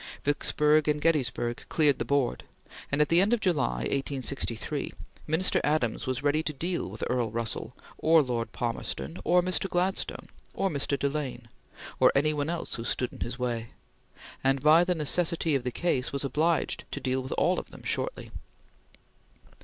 Vicksburg and Gettysburg cleared the board, and, at the end of July, 1863, Minister Adams was ready to deal with Earl Russell or Lord Palmerston or Mr. Gladstone or Mr. Delane, or any one else who stood in his way; and by the necessity of the case, was obliged to deal with all of them shortly.